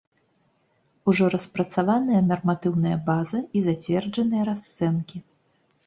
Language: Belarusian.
Ужо распрацаваная нарматыўная база і зацверджаныя расцэнкі.